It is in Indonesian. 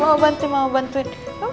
mau bantu mau bantuin